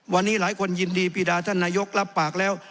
วันนี้หลายคนยินดีปีดาท่านนายกรับปากแล้ว